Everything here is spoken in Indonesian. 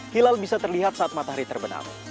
hilal bisa terlihat saat matahari terbenam